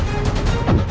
aku akan menang